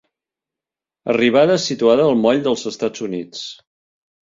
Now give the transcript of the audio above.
Arribada situada al Moll dels Estats Units.